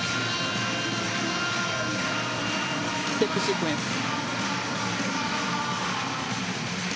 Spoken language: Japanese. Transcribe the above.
ステップシークエンス。